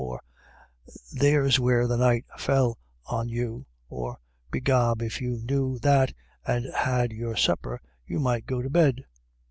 105 or " There's where the night fell on you," or " Be gob, if you knew that and had your supper, you r might go to bed."